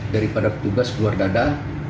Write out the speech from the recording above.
daripada tugas keluar dada